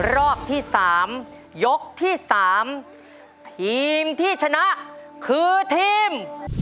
รอบที่๓ยกที่๓ทีมที่ชนะคือทีม